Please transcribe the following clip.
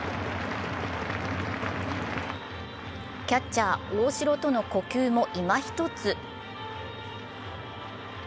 キャッチャー・大城との呼吸もいまひとつ。